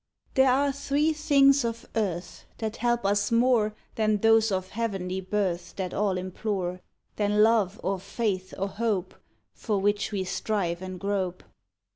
There are three things of Earth That help us more Than those of heavenly birth That all implore Than Love or Faith or Hope, For which we strive and grope.